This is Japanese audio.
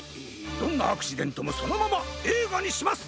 どんなアクシデントもそのままえいがにします！